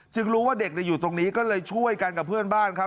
รู้ว่าเด็กอยู่ตรงนี้ก็เลยช่วยกันกับเพื่อนบ้านครับ